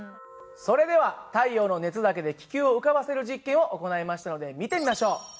それでは太陽の熱だけで気球を浮かばせる実験を行いましたので見てみましょう。